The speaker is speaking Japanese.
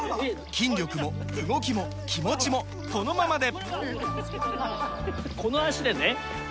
筋力も動きも気持ちもこのままで！